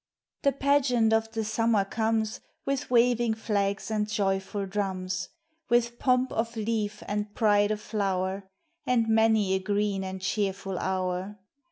The pageant of the Summer comes, With waving flags and joyful drums, With pomp of leaf and pride of flower, And many a green and cheerful hour.